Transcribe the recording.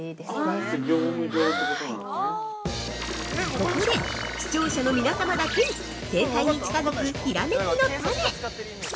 ◆ここで、視聴者の皆様だけに正解に近づくひらめきのタネ。